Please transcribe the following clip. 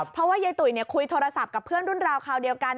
เพราะว่ายายตุ๋ยคุยโทรศัพท์กับเพื่อนรุ่นราวคราวเดียวกัน